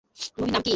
মুভির নাম কি?